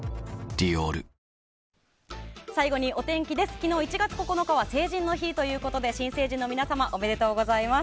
昨日１月９日は成人の日ということで新成人の皆様おめでとうございます。